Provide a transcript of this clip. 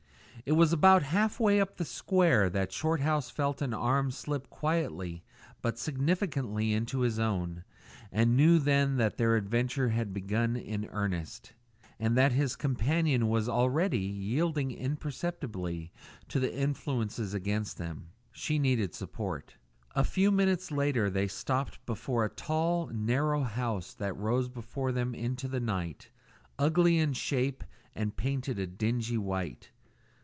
It was about half way up the square that Shorthouse felt an arm slipped quietly but significantly into his own, and knew then that their adventure had begun in earnest, and that his companion was already yielding imperceptibly to the influences against them. She needed support. A few minutes later they stopped before a tall, narrow house that rose before them into the night, ugly in shape and painted a dingy white.